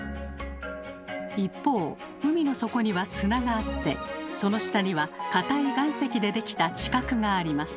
一方海の底には砂があってその下にはかたい岩石で出来た「地殻」があります。